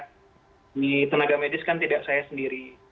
di tenaga medis kan tidak saya sendiri